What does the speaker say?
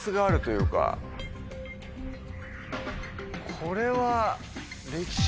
これは。